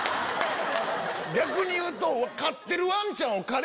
逆に言うと。